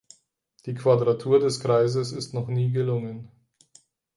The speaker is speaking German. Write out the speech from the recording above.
Die Quadratur des Kreises ist noch nie gelungen.